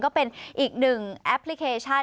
ก็เป็นอีกหนึ่งแอปพลิเคชัน